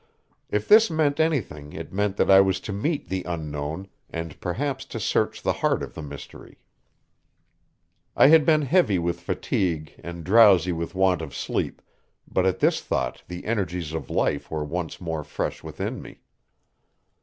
If this meant anything it meant that I was to meet the Unknown, and perhaps to search the heart of the mystery. I had been heavy with fatigue and drowsy with want of sleep, but at this thought the energies of life were once more fresh within me.